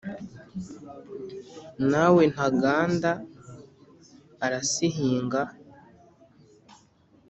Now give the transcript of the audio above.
Na we Ntaganda arisihinga